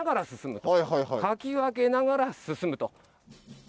かき分けながら進むと。